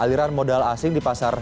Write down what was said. aliran modal asing di pasar